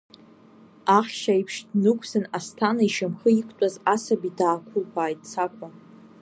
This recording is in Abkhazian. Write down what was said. Ахьшь аиԥш днықәсын Асҭана ишьамхы иқәтәаз асаби даақәылԥааит Цақәа.